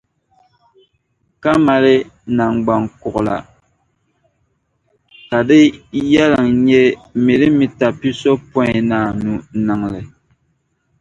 ka mali naŋgbankuɣila ka di yɛliŋ nyɛ milimita pisopɔinnaanu niŋ li.